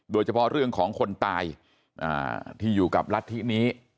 โดยเฉพาะเรื่องของคนตายที่อยู่กับรัฐธินี้